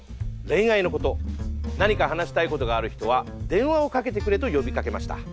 恋愛のこと何か話したいことがある人は電話をかけてくれと呼びかけました。